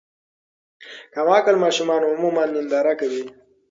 کم عقل ماشومان عموماً ننداره کوي.